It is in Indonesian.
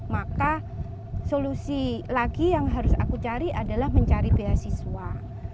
maka solusi lagi yang harus aku cari adalah mencari beasiswa